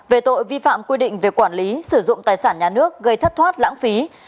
về tội vi phạm quy định về quản lý sử dụng tài sản nhà nước gây thất thoát lãng phí